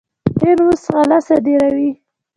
هند اوس غله صادروي.